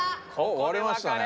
われましたね。